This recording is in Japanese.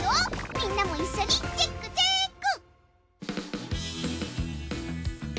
みんなも一緒にチェックチェック！